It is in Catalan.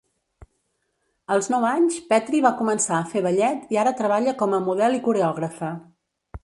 Als nou anys, Petri va començar a fer ballet i ara treballa com a model i coreògrafa.